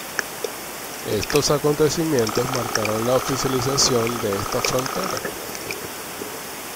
Estos acontecimientos marcaron la oficialización de esta frontera.